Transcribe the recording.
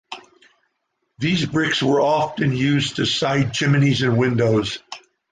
These bricks were often used to side chimneys and windows.